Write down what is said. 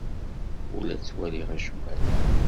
Ur la ttwaliɣ acemma din.